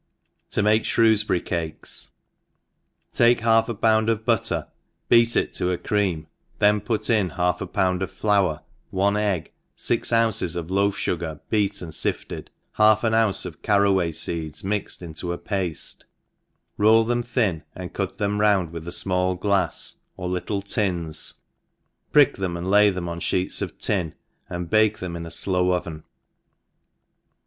To Utah Shrewsbury Cakes. . TAKE half a pound of butter, beat it to t cream, then put in half a pound of flour, one egg, fix ounces of loaf fugar beat and fifted, half an ounce of carraway feeds mixed into a pafte, roll them thin, and cut them round with a fmall glafs, or little tins,, prick them, and lay them on iheets of tin, and bake them in a flow oven.